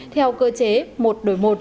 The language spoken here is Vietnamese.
theo cơ chế một đổi một